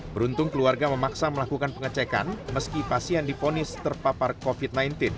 beruntung keluarga memaksa melakukan pengecekan meski pasien diponis terpapar covid sembilan belas